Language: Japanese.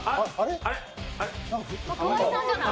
河井さんじゃない？